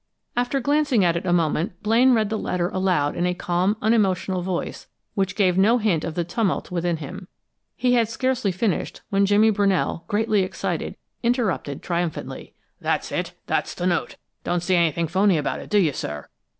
After glancing at it a moment Blaine read the letter aloud in a calm, unemotional voice which gave no hint of the tumult within him. He had scarcely finished when Jimmy Brunell, greatly excited, interrupted triumphantly: "That's it! That's the note! Don't see anything phony about it, do you, sir?